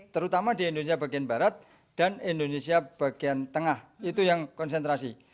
terutama di indonesia bagian barat dan indonesia bagian tengah itu yang konsentrasi